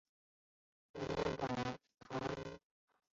杜瑙保陶伊。